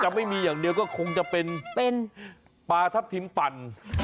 ไม่มีอย่างเดียวก็คงจะเป็นปลาทับทิมปั่น